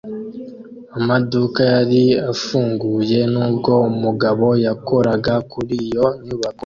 Amaduka yari afunguye nubwo umugabo yakoraga kuri iyo nyubako